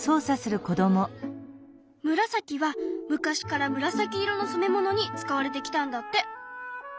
ムラサキは昔から紫色の染めものに使われてきたんだって。